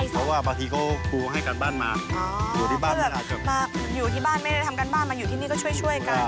เพราะว่าบางทีเขาครูให้การบ้านมาอยู่ที่บ้านอยู่ที่บ้านไม่ได้ทำการบ้านมาอยู่ที่นี่ก็ช่วยกัน